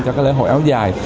cho lễ hội áo dài